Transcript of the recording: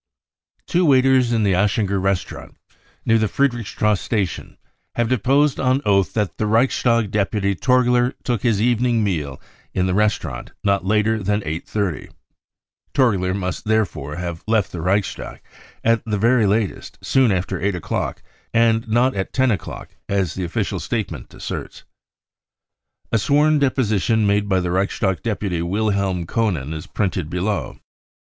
Two waiters in the? Aschinger restaurant near the Friedrichs trasse Station have deposed on oath that the Reichstag deputy Torgler took his even ing meal in the restaurant not later than 8.30. Torgler must therefore have left the Reichstag at the very latest soon after I 90 BROWN BOOK. OF THE HITt.EE TERROR 8 o'clock, and not at 10 o'clock as the official statement asserts, f A sworn deposition made by the Reichstag deputy Wilhelm Koenen is printed below.